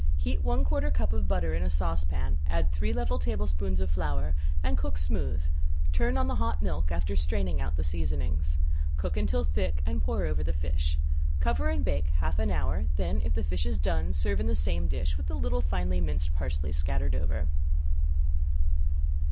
Heat one quarter cup of butter in a saucepan, add three level tablespoons of flour, and cook smooth, turn on the hot milk after straining out the seasonings. Cook until thick and pour over the fish. Cover and bake half hour, then if the fish is done serve in the same dish with little finely minced parsley scattered over.